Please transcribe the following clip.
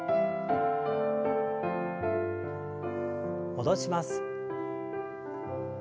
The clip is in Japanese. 戻します。